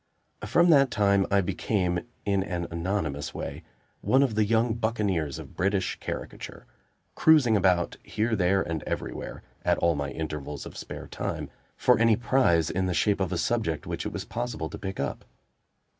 From that time I became, in an anonymous way, one of the young buccaneers of British Caricature; cruising about here, there and everywhere, at all my intervals of spare time, for any prize in the shape of a subject which it was possible to pick up.